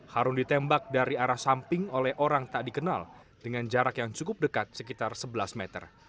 harun ditembak dari arah samping oleh orang tak dikenal dengan jarak yang cukup dekat sekitar sebelas meter